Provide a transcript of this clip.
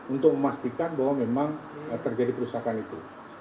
untuk memastikan bahwa memang terjadi perusakan itu